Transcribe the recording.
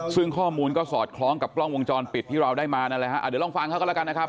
ซึ่งข้อมูลก็สอดคล้องกับกล้องวงจรปิดที่เราได้มานั่นแหละฮะเดี๋ยวลองฟังเขาก็แล้วกันนะครับ